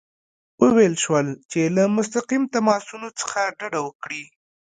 وویل شول چې له مستقیم تماسونو څخه ډډه وکړي.